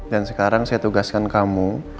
dan sekarang saya tugaskan kamu